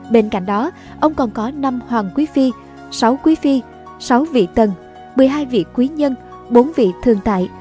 bên cạnh đó ông còn có năm hoàng quý phi sáu quý phi sáu vị tần một mươi hai vị quý nhân bốn vị thường tại